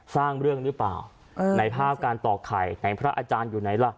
สร้างเรื่องหรือเปล่าในภาพการตอกไข่ไหนพระอาจารย์อยู่ไหนล่ะ